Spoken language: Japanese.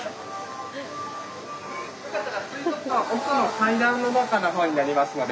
よかったら水族館階段の中の方になりますので。